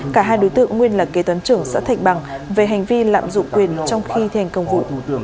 cả hai đối tượng nguyên là kế toán trưởng xã thạch bằng về hành vi lạm dụng quyền trong khi thi hành công vụ